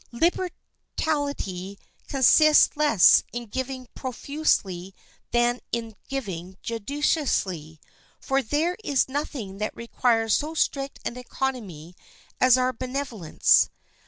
Liberality consists less in giving profusely than in giving judiciously, for there is nothing that requires so strict an economy as our benevolence.